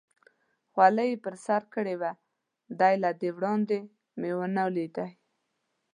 خولۍ یې پر سر کړې وه، دی له دې وړاندې مې نه و لیدلی.